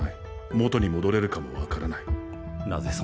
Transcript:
元に戻れるかも分からない。